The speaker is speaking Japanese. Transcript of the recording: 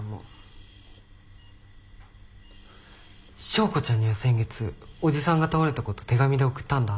昭子ちゃんには先月伯父さんが倒れたこと手紙で送ったんだ。